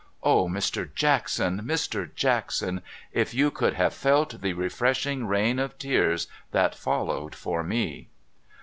Oh, Mr. Jackson, Mr. Jackson, if you could have felt the refreshing rain of tears that followed for me